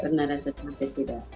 pernah merasa capek tidak